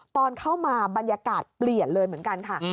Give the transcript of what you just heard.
ตอนเข้ามาบรรยากาศเปลี่ยนเลยเหมือนกันค่ะ